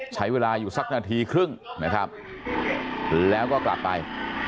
ใช้เวลาอยู่สักนาทีครึ่งนะครับแล้วก็กลับไป